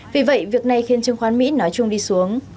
vì vậy việc này khiến trương khoán mỹ nói chung đi xuống